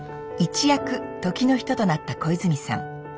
一躍時の人となった小泉さん。